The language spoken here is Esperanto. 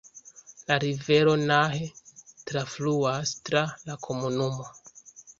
La rivero Nahe trafluas tra la komunumo.